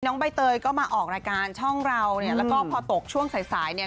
ใบเตยก็มาออกรายการช่องเราเนี่ยแล้วก็พอตกช่วงสายสายเนี่ย